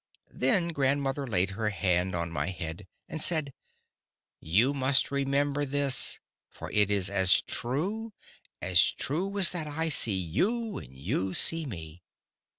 Then grandmother laid her hand on my head, and said: "You must remember this, for it is as true, as true as that I see you and you see me.